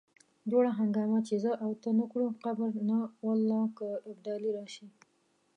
جوړه هنګامه چې زه او ته نه کړو قبر نه والله که ابدالي راشي.